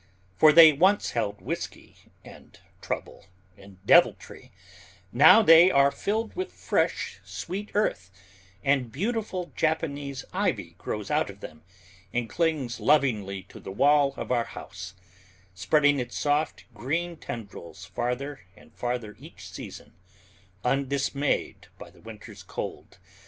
For they once held whisky and trouble and deviltry; now they are filled with fresh, sweet earth, and beautiful Japanese ivy grows out of them and clings lovingly to the wall of our house, spreading its soft, green tendrils farther and farther each season, undismayed by the winter's cold.